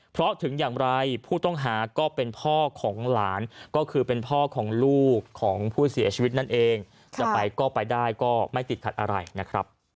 เพราะถึงอย่างไรผู้ต้องหาก็เป็นพ่อของหลานก็คือเป็นพ่อของลูกของผู้เสียชีวิตนั่นเองจะไปก็ไปได้ก็ไม่ติดขัดอะไรนะครับ